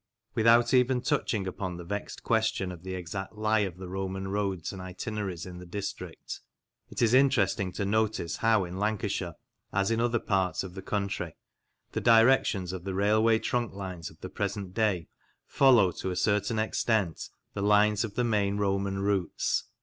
Without even touching upon the vexed question of the exact lie of the Roman roads and itineraries in the district, it is interesting to notice how in Lancashire, as in other parts of the country, the directions of the railway trunk lines of the present day follow, to a certain extent, the lines of the main Roman routes.